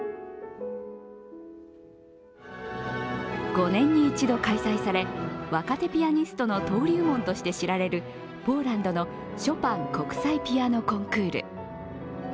５年に一度開催され、若手ピアニストの登竜門として知られるポーランドのショパン国際ピアノ・コンクール。